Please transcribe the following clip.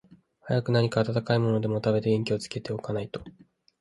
早く何か暖かいものでも食べて、元気をつけて置かないと、